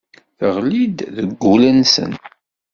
Yeɣli deg wul-nsen.